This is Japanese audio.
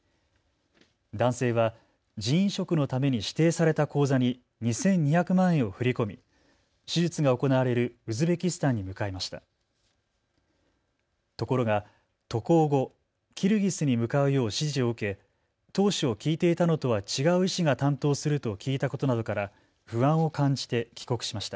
男性は腎移植のために指定された口座に２２００万円を振り込み手術が行われるウズベキスタンに向かいました。